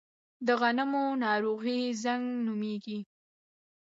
د غنمو ناروغي زنګ نومیږي.